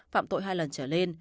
phạm tội hai lần trở lên